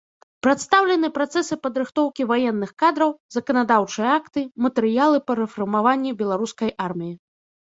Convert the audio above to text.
Прадстаўлены працэсы падрыхтоўкі ваенных кадраў, заканадаўчыя акты, матэрыялы па рэфармаванні беларускай арміі.